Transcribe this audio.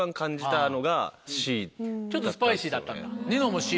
ちょっとスパイシーだったんだニノもＣ。